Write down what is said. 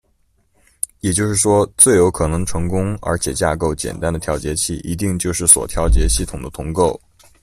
也就是说，最有可能成功，而且架构简单的调节器一定就是所调节系统的同构。